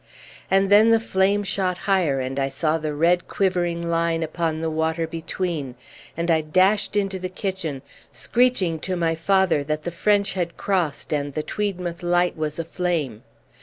And then the flame shot higher, and I saw the red quivering line upon the water between; and I dashed into the kitchen, screeching to my father that the French had crossed and the Tweedmouth light was aflame.